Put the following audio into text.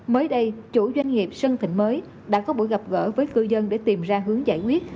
mới đây chủ doanh nghiệp sân thịnh mới đã có buổi gặp gỡ với cư dân để tìm ra hướng giải quyết